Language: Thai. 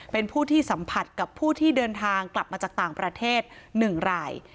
เป็นผู้ที่สัมผัสกับผู้ที่เดินทางกลับมาจากต่างประเทศ๑ราย